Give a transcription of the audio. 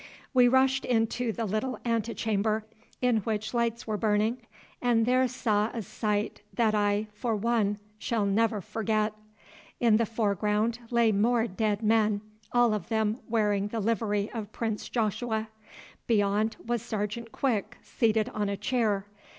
We rushed into the little antechamber, in which lights were burning, and there saw a sight that I for one never shall forget. In the foreground lay more dead men, all of them wearing the livery of Prince Joshua. Beyond was Sergeant Quick, seated on a chair.